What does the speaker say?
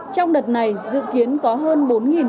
trong đợt này dự kiến có hơn